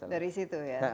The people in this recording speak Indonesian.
dari situ ya